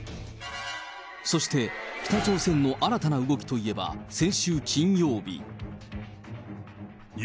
そして北朝鮮の新たな動きといえば、先週金曜日。